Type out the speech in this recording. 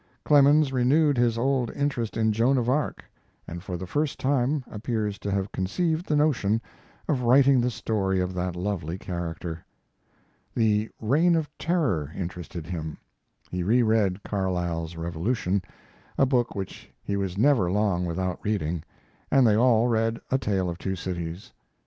Clemens renewed his old interest in Joan of Arc, and for the first time appears to have conceived the notion of writing the story of that lovely character. The Reign of Terror interested him. He reread Carlyle's Revolution, a book which he was never long without reading, and they all read 'A Tale of Two Cities'.